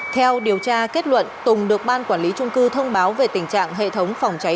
theo điều tra kết luận tùng được ban quản lý trung cư thông báo về tình trạng hệ thống phòng cháy